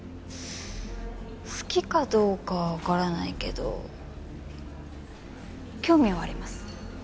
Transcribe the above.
好きかどうかはわからないけど興味はあります。